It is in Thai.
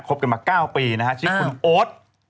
ครบกันมา๙ปีนะครับชื่อคุณโอ๊ด